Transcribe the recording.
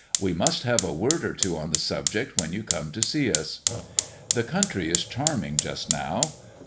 We must have a word or two on the subject when you come to see us. The country is charming just now.